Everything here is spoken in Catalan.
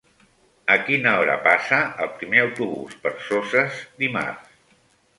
A quina hora passa el primer autobús per Soses dimarts?